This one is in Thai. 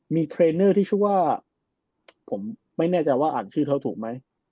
มีเทรนเนอร์ที่ชื่อว่าผมไม่แน่ใจว่าอ่านชื่อเขาถูกไหม